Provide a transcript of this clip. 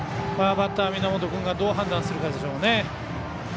バッター、源君がどう判断するかですね。